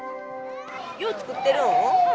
よう作ってるん？